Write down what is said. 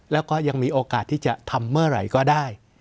แล้วก็ยังมีโอกาสที่จะทำเมื่อไหร่ก็ได้